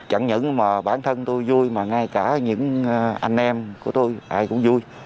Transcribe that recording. chẳng những mà bản thân tôi vui mà ngay cả những anh em của tôi ai cũng vui